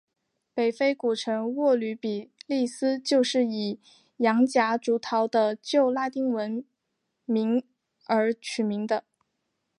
北非古城沃吕比利斯就是以洋夹竹桃的旧拉丁文名而取名的。